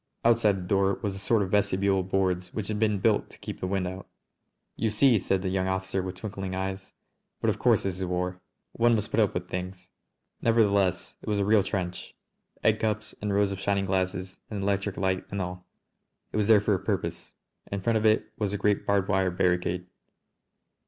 Outside the door was a sort of vestibule of boards which had been built to keep the wind out. "You see!" said the young officer with twinkling eyes. "But of course this is war. One must put up with things!" Nevertheless it was a real trench, egg cups and rows of shining glasses and electric light and all. It was there for a purpose. In front of it was a great barbed wire barricade.